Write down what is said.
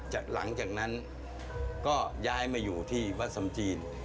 หลังจากนั้นก็ย้ายมาอยู่ที่วัดสำจีน